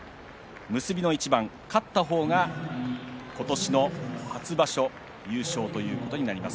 結びの一番、勝った方が今年の初場所優勝ということになります。